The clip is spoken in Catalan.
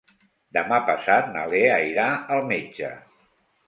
Demà passat na Lea irà al metge.